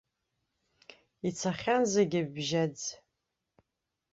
Ицахьан зегьы бжьаӡ.